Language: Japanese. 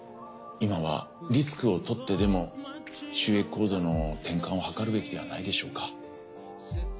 今はリスクをとってでも収益構造の転換を図るべきではないでしょうか。